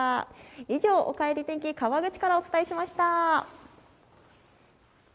以上、おかえり天気、川口からお伝えしました。